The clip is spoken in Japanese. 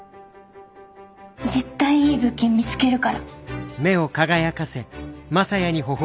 絶対いい物件見つけるから。